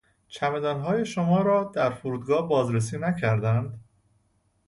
چمدانهای شما را در فرودگاه بازرسی نکردند.